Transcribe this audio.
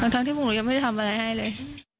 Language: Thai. ทั้งที่พวกหนูยังไม่ได้ทำอะไรให้เลย